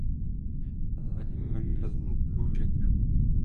Na zádi má výrazný růžek.